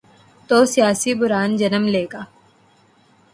تو سیاسی بحران جنم لے گا۔